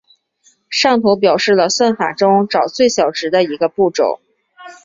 上图表示了算法中找最小值的一个步骤。